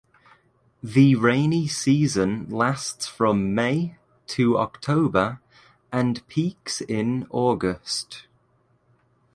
The rainy season lasts from May to October and peaks in August.